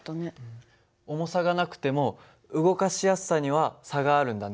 重さがなくても動かしやすさには差があるんだね。